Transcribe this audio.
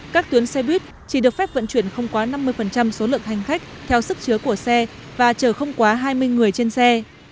các tuyến xe buýt chỉ được phép vận chuyển không quá năm mươi số lượng hành khách theo sức chứa của xe và chở không quá hai mươi người trên xe